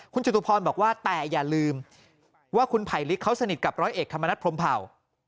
คุณจตุพรบอกว่าแต่อย่าลืมว่าคุณไผลลิกเขาสนิทกับร้อยเอกธรรมนัฐพรมเผ่า